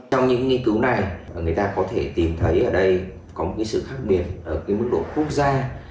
trong những nghiên cứu này người ta có thể tìm thấy ở đây có một sự khác biệt ở mức độ quốc gia